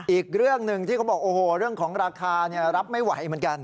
อีกเรื่องหนึ่งที่เขาบอกโอ้โหเรื่องของราคารับไม่ไหวเหมือนกัน